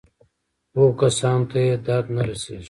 هغو کسانو ته یې درد نه رسېږي.